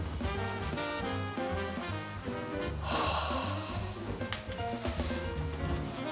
はあ。